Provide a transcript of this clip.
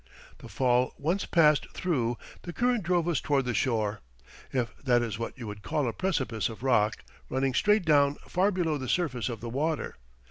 "The fall once passed through, the current drove us toward the shore, if that is what you would call a precipice of rock, running straight down far below the surface of the water.